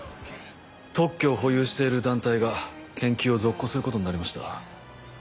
特許を保有している団体が研究を続行することになりました。